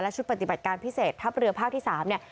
ชุดปฏิบัติการพิเศษทัพเรือภาคที่๓เนี่ย